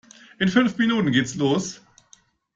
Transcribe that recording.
In fünf Minuten geht es los.